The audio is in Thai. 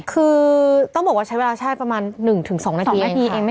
คือต้องบอกว่าใช้เวลาใช่ประมาณ๑๒นาทีเอง